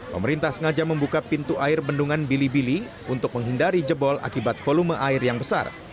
pemerintah sengaja membuka pintu air bendungan bili bili untuk menghindari jebol akibat volume air yang besar